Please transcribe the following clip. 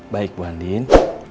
baik bu andin